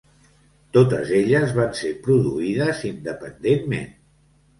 Totes elles van ser produïdes independentment.